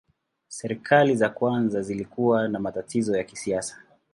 Serikali za kwanza zilikuwa na matatizo ya kisiasa.